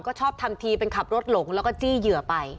ก็ชอบทำทีเป็นขับรถหลงแล้วก็จี้เหยื่อไป